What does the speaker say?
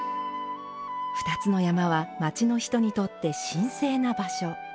２つの山は、町の人にとって神聖な場所。